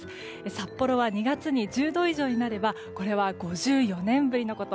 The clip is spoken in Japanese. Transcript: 札幌は２月に１０度以上になればこれは５４年ぶりのこと。